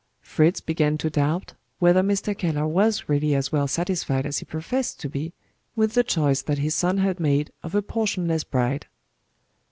Fritz began to doubt whether Mr. Keller was really as well satisfied as he professed to be with the choice that his son had made of a portionless bride.